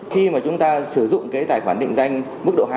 khi mà chúng ta sử dụng cái tài khoản định danh mức độ hai